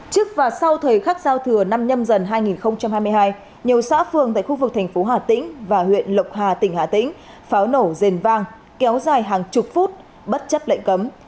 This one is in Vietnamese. trước và sau thời khắc giao thừa năm nhâm dần hai nghìn hai mươi hai nhiều xã phường tại khu vực thành phố hà tĩnh và huyện lộc hà tỉnh hà tĩnh pháo nổ rền vang kéo dài hàng chục phút bất chấp lệnh cấm